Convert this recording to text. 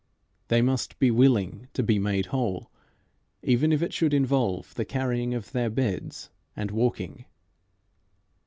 They must be willing to be made whole, even if it should involve the carrying of their beds and walking.